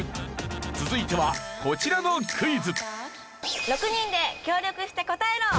続いてはこちらのクイズ。